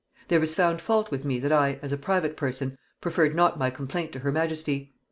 "There is fault found with me that I, as a private person, preferred not my complaint to her majesty.